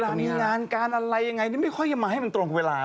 เวลามีงานการอะไรอย่างไรไม่ค่อยมาให้มันตรงเวลา